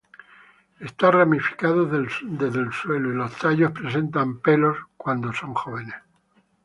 Está ramificado desde el suelo y los tallos presentan pelos cuando jóvenes.